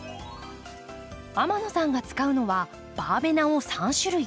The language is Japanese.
天野さんが使うのはバーベナを３種類。